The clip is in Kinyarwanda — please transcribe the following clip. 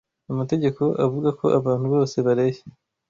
Amategeko avuga ko abantu bose bareshya.